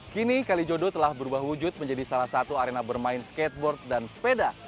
kini kalijodo telah berubah wujud menjadi salah satu arena bermain skateboard dan sepeda